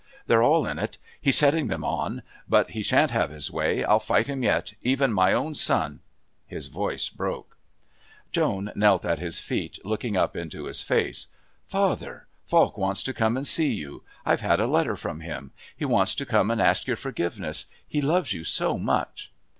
They're all in it. He's setting them on. But he shan't have his way. I'll fight him yet. Even my own son " His voice broke. Joan knelt at his feet, looking up into his face. "Father! Falk wants to come and see you! I've had a letter from him. He wants to come and ask your forgiveness he loves you so much."